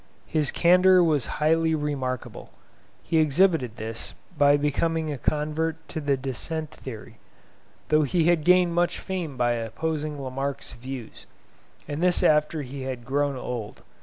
His candour was highly remarkable. He exhibited this by becoming a convert to the Descent theory, though he had gained much fame by opposing Lamarck's views, and this after he had grown old.